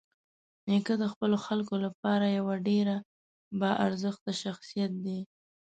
نیکه د خپلو خلکو لپاره یوه ډېره باارزښته شخصيت دی.